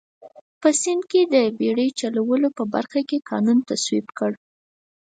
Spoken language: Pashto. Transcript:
په سیند کې د بېړۍ چلونې په برخه کې قانون تصویب کړ.